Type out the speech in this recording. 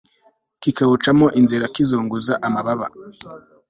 kikawucamo inzira kizunguza amababa